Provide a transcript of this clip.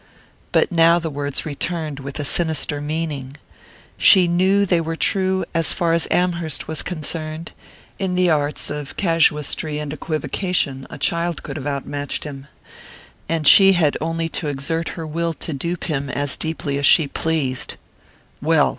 But now the words returned with a sinister meaning. She knew they were true as far as Amherst was concerned: in the arts of casuistry and equivocation a child could have outmatched him, and she had only to exert her will to dupe him as deeply as she pleased. Well!